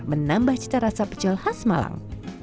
menambah cita rasa pecel khas malang